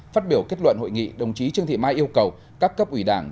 phát biểu kết luận hội nghị đồng chí trương thị mai yêu cầu các cấp ủy đảng